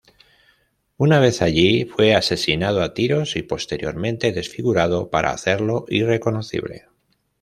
Una vez allí, fue asesinado a tiros y posteriormente desfigurado, para hacerlo irreconocible.